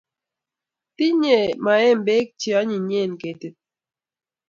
Kinyei maembek che anyinyen ketit